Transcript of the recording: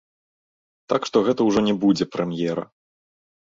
Так што гэта ўжо не будзе прэм'ера.